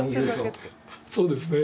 そうですね